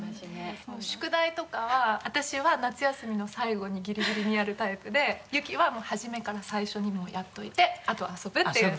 宿題とかは私は夏休みの最後にギリギリにやるタイプで雪は初めから最初にもうやっといてあと遊ぶっていう。